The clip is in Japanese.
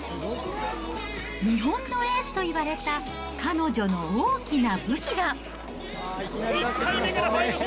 日本のエースといわれた彼女の大きな武器が。